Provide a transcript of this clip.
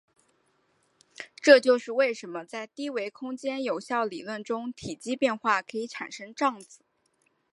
这就是为什么在低维空间有效理论中体积变化可以产生胀子。